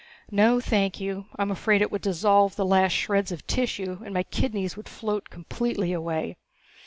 "No, thank you. I'm afraid it would dissolve the last shreds of tissue and my kidneys would float completely away.